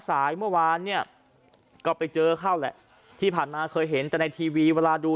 สายเมื่อวานเนี่ยก็ไปเจอเข้าแหละที่ผ่านมาเคยเห็นแต่ในทีวีเวลาดู